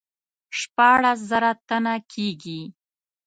شپاړس زره تنه کیږي.